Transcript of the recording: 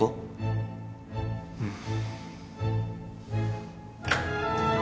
うん。